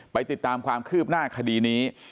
ติดตามความคืบหน้าคดีนี้